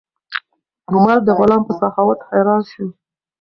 عمر د غلام په سخاوت حیران شو.